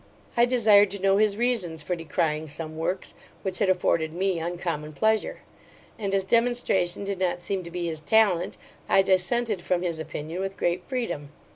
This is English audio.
I desired to know his reasons for decrying some works, which had afforded me uncommon pleasure; and, as demonstration did not seem to be his talent, I dissented from his opinion with great freedom.